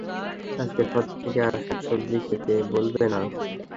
আজকের পর থেকে আর শাকসবজি খেতে বলবে না।